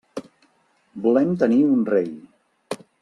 Volem tenir un rei.